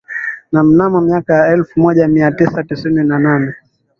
Na mnamo miaka ya elfu moja mia tisa sitini na nane